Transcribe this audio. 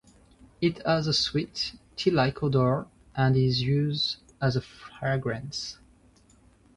It has a sweet, tea-like odor and is used as a fragrance.